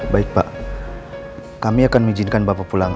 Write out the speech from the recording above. baik pak kami akan mengizinkan bapak pulang